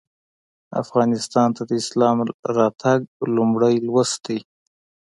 افغانستان ته د اسلام راتګ لومړی لوست دی.